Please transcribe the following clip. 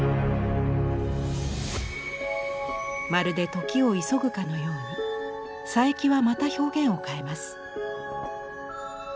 まるで時を急ぐかのように佐伯はまた表現を変えます。